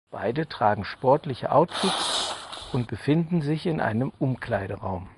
Beide tragen sportliche Outfits und befinden sich in einem Umkleideraum.